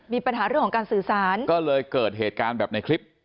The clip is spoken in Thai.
มีปัญหาเรื่องของการสื่อสารก็เลยเกิดเหตุการณ์แบบในคลิป